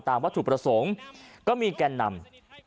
ตามว่าถูกประสงค์ก็มีแก่นำ